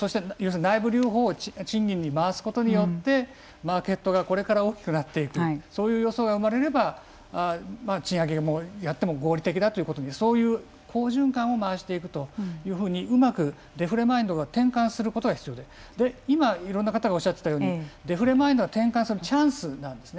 内部留保を賃金に回すことによってマーケットがこれから大きくなっていくそういう予想が生まれれば賃上げをやっても合理的だとそういう好循環を回していくというふうにデフレマインドがうまく転換することが必要で今、いろんな方がおっしゃっていたようにデフレマインドを転換するチャンスなんです。